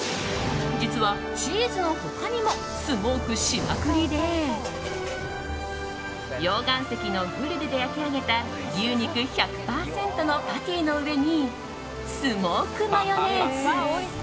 実は、チーズの他にもスモークしまくりで溶岩石のグリルで焼き上げた牛肉１００％のパティの上にスモークマヨネーズ。